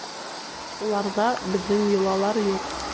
Уларҙа беҙҙең йолалар юҡ.